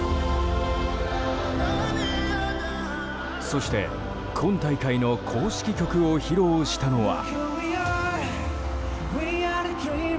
そして、今大会の公式曲を披露したのは。